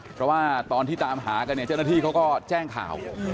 เพราะว่าตอนที่ตามหากันเนี่ยเจ้าหน้าที่เขาก็แจ้งข่าว